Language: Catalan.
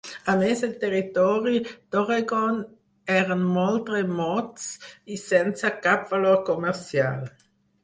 A més, el Territori d'Oregon eren molt remots i sense cap valor comercial.